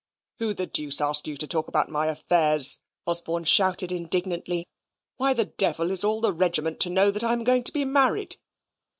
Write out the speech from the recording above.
"Who the deuce asked you to talk about my affairs?" Osborne shouted indignantly. "Why the devil is all the regiment to know that I am going to be married?